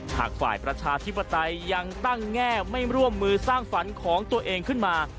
หากฝ่ายประชาธิปไตยยังตั้งแง่ไม่ร่วมมือสร้างฝันของตัวเองขึ้นมา